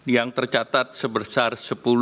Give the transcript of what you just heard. yang tercatat sebesar sepuluh tiga puluh tiga